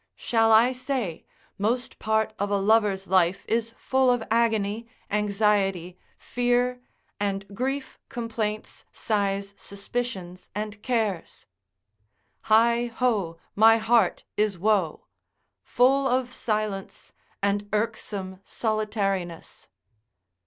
Shall I say, most part of a lover's life is full of agony, anxiety, fear, and grief, complaints, sighs, suspicions, and cares, (heigh ho, my heart is woe) full of silence and irksome solitariness?